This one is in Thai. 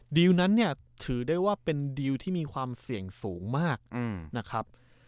ดีลนั้นเนี่ยถือได้ว่าเป็นดีลที่มีความเสี่ยงสูงมากนะครับ